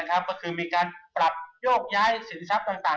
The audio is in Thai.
ก็คือมีการปรับโยกย้ายสินทรัพย์ต่าง